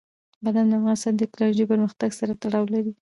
بادام د افغانستان د تکنالوژۍ پرمختګ سره تړاو لري.